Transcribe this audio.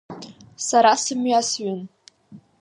Сара сымҩасҩын…